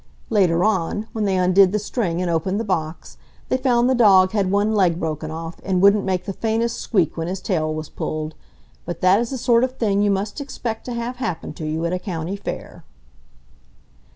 (Later on, when they undid the string and opened the box, they found the dog had one leg broken off and wouldn't make the faintest squeak when his tail was pulled; but that is the sort of thing you must expect to have happen to you at a county fair.)